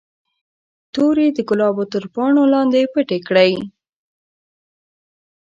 تورې د ګلابو تر پاڼو لاندې پټې کړئ.